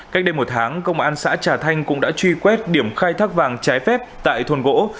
cách đây một tháng công an xã trà thanh cũng đã truy quét điểm khai thác vàng trái phép tại thuần gỗ